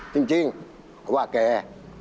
จริงเพราะว่าแก